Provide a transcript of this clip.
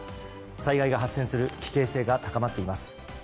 災害が発生する危険性が高まっています。